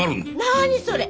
何それ。